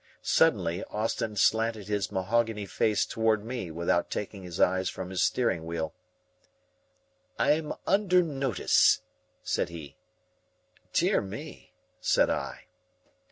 Suddenly Austin slanted his mahogany face toward me without taking his eyes from his steering wheel. "I'm under notice," said he. "Dear me!" said I.